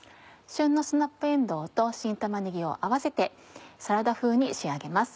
旬のスナップえんどうと新玉ねぎを合わせてサラダ風に仕上げます。